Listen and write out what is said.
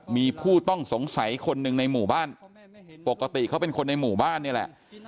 มีผู้ต้องสงสัยคนหนึ่งในหมู่บ้านปกติเขาเป็นคนในหมู่บ้านนี่แหละ